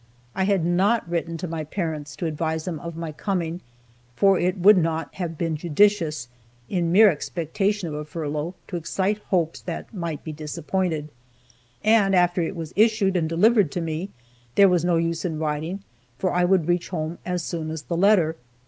I had not written to my parents to advise them of my coming, for it would not have been judicious, in mere expectation of a furlough, to excite hopes that might be disappointed, and after it was issued and delivered to me, there was no use in writing, for I would reach home as soon as a letter.